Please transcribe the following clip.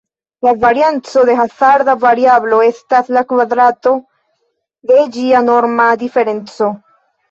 La varianco de hazarda variablo estas la kvadrato de ĝia norma diferenco.